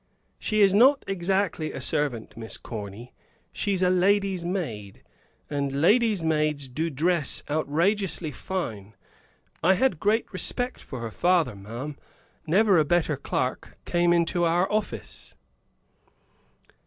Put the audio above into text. "She is not exactly a servant, Miss Corny, she's a lady's maid; and ladies' maids do dress outrageously fine. I had great respect for her father, ma'am; never a better clerk came into our office."